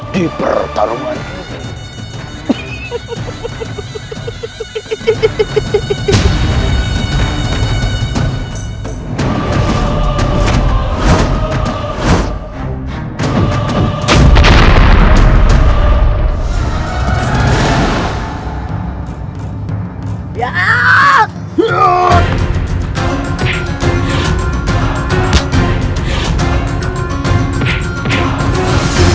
di pertarungan ini